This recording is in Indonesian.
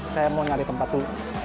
saya mau nyari tempat dulu